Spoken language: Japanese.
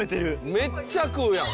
「めっちゃ食うやん！」